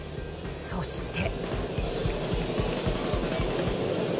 そして。